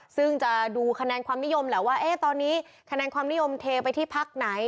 ซึ่งจะดูคะแนนความนิยมแหละว่าตอนนี้คะแนนความนิยมเทไปที่พักไหน